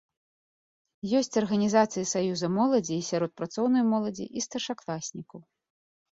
Ёсць арганізацыі саюза моладзі і сярод працоўнай моладзі і старшакласнікаў.